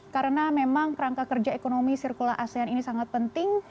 karena memang kerangka kerja ekonomi sirkula asean ini sangat penting